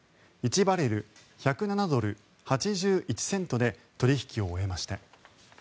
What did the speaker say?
１バレル１０７ドル８１セントで取引を終えました。